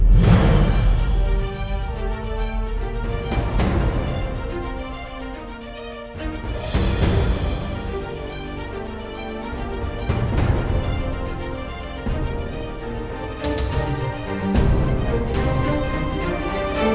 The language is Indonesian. kenapa sampai ini